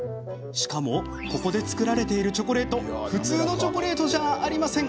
しかも、ここで作られているチョコレート普通のチョコレートじゃありません。